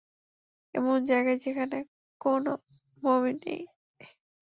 এমন জায়গায় যেখানে কোনও মমি নেই!